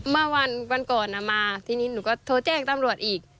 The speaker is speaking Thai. เมื่อวันก่อนมาทีนี้หนูก็โทรแจ้งตำรวจอีก